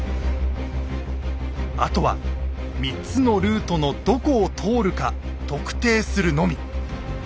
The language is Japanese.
あとは３つのルートのどこを通るか特定するのみ。